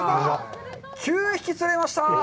９匹釣れました！